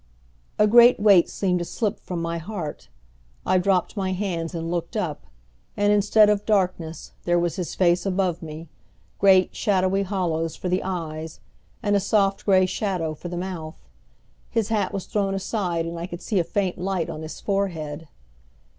A great weight seemed to slip from my heart. I dropped my hands and looked up, and instead of darkness, there was his face above me, great, shadowy hollows for the eyes, and a soft, gray shadow for the mouth. His hat was thrown aside and I could see a faint light on his forehead.